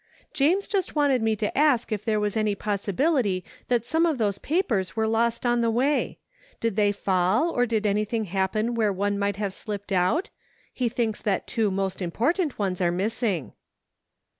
James just wanted me to ask if there was any pos sibility that some of those papers were lost on the way ? Did they fall or did anything happen where one might have slipped out ? He thinks that two most important ones are missing."